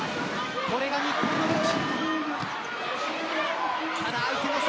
これが日本の武器。